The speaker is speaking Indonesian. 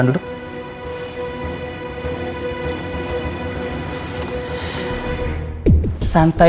tidak ada pdow percobaan sesuai